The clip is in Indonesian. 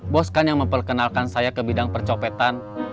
bos kan yang memperkenalkan saya ke bidang percopetan